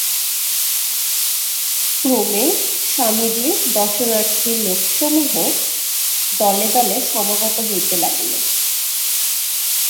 ক্রমে স্বামীজীর দর্শনার্থী লোকসমূহ দলে দলে সমাগত হইতে লাগিল।